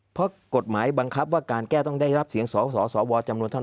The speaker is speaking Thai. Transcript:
เพราะกฎหมายบังคับว่าการแก้ต้องได้รับเสียงสสวจำนวนเท่านั้น